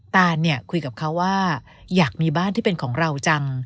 ตานเนี่ยคุยกับเขาว่าอยากมีบ้านที่เป็นของเราจัง